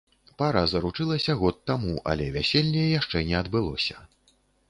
Пара заручылася год таму, але вяселле яшчэ не адбылося.